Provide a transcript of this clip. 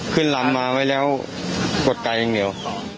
ก็ตามมาไว้แล้วกดไกลอย่างเดียว